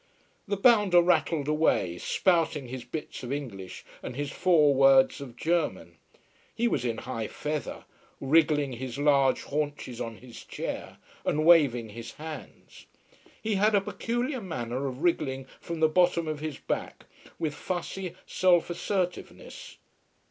The bounder rattled away, spouting his bits of English and his four words of German. He was in high feather, wriggling his large haunches on his chair and waving his hands. He had a peculiar manner of wriggling from the bottom of his back, with fussy self assertiveness.